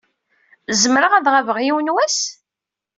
Zemreɣ ad ɣabeɣ yiwen wass?